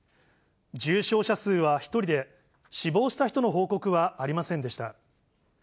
重症者数は１人で、死亡した人の報告はありませんでした。